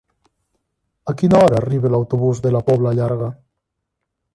A quina hora arriba l'autobús de la Pobla Llarga?